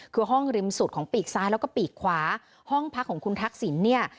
คือห้องริมสุดของปีกซ้ายแล้วก็ปีกขวาห้องพักของคุณทักษิณเนี่ย